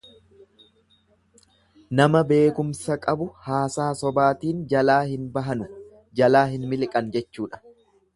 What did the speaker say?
Nama beekumsa qabu haasaa sobaatiin jalaa hin bahanu, jalaa hin miliqan jechuudha.